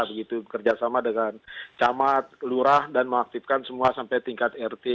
begitu bekerja sama dengan camat lurah dan mengaktifkan semua sampai tingkat rt